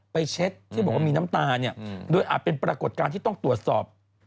เช็คที่บอกว่ามีน้ำตาเนี่ยโดยอาจเป็นปรากฏการณ์ที่ต้องตรวจสอบ